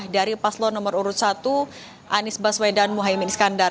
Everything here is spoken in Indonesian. dari paslo nomor urut satu anies baswedan muhaymin iskandar